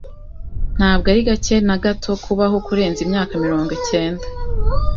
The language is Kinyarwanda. Ntabwo ari gake na gato kubaho kurenza imyaka mirongo cyenda.